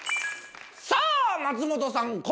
さぁ松本さん